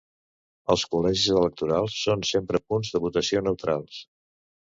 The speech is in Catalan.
Els col·legis electorals són sempre punts de votació neutrals.